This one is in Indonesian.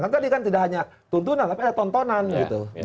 kan tadi kan tidak hanya tuntunan tapi ada tontonan gitu